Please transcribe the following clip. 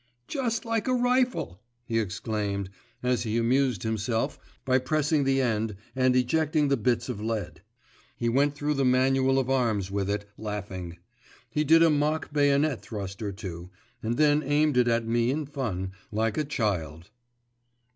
"Just like a rifle!" he exclaimed, as he amused himself by pressing the end and ejecting the bits of lead. He went through the manual of arms with it, laughing; he did a mock bayonet thrust or two, and then aimed it at me in fun, like a child.